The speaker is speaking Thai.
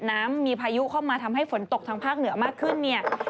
น้ำมีพายุเข้ามาทำให้ฝนตกทางภาคเหนือมากขึ้นเนี่ย